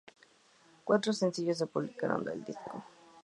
Cuatro sencillos se publicaron del disco.